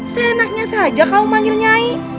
senangnya saja kamu memanggil nyai